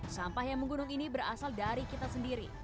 sampah yang menggunung ini berasal dari kita sendiri